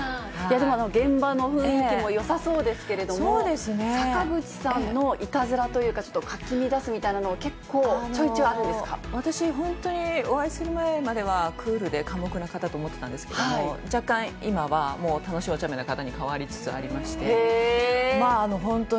でも現場の雰囲気もよさそうですけれども、坂口さんのいたずらというか、ちょっとかき乱すみたいなの、結構、ちょいちょいあ私、本当にお会いする前まではクールで寡黙な方と思ってたんですけども、若干今はもう楽しいおちゃめな方に変わりつつありまして。